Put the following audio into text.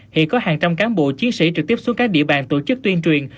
hiện có hàng trăm cán bộ chiến sĩ trực tiếp xuống các địa bàn tổ chức tuyên truyền